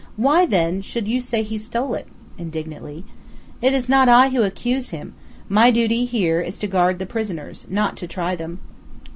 Why, then, should you say he stole it?" indignantly. "It is not I who accused him; my duty here is to guard the prisoners not to try them."